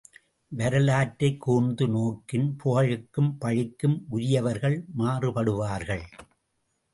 வரலாற்றைக் கூர்ந்து நோக்கின் புகழுக்கும் பழிக்கும் உரியவர்கள் மாறுபடுவார்கள்!